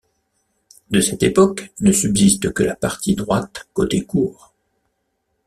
De cette époque ne subsiste que la partie droite côté cour.